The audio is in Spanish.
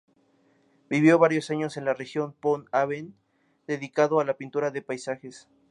Vivió varios años en la región de Pont-Aven, dedicado a la pintura de paisajes.